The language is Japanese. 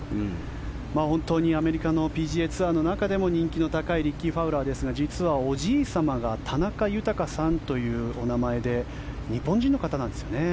本当にアメリカのＰＧＡツアーの中でも人気の高いリッキー・ファウラーですが実はおじい様が田中豊さんというお名前で日本人の方なんですよね。